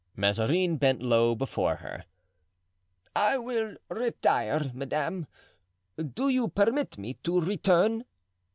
Mazarin bent low before her. "I will retire, madame. Do you permit me to return?"